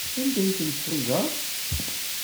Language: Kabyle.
Anda ay tent-tḥuzaḍ?